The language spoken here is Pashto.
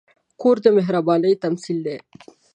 کور د مهربانۍ تمثیل دی.